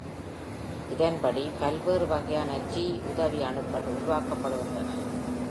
இதன்படி, பல்வேறு வகையான T உதவி அணுக்கள் உருவாக்கப்படுகின்றன.